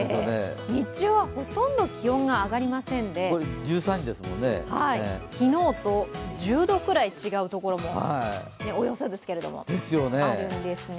日中はほとんど気温が上がりませんで、昨日とおよそ１０度くらい違うところもあるんですね。